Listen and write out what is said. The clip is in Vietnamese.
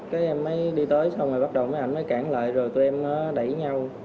cái em mới đi tới xong rồi bắt đầu máy ảnh mới cản lại rồi tụi em đẩy nhau